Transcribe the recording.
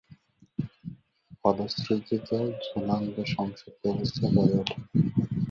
ফলশ্রুতিতে ঝুলন্ত সংসদ ব্যবস্থা গড়ে ওঠে।